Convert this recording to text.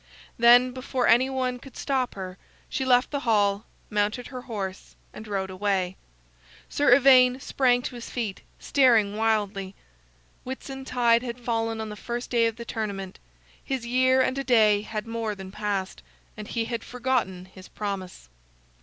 Then, before any one could stop her, she left the hall, mounted her horse, and rode away. Sir Ivaine sprang to his feet, staring wildly. Whitsuntide had fallen on the first day of the tournament, his year and a day had more than passed, and he had forgotten his promise!